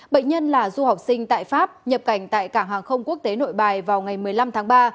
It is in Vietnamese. bệnh nhân là du học sinh tại pháp nhập cảnh tại cảng hàng không quốc tế nội bài vào ngày một mươi năm tháng ba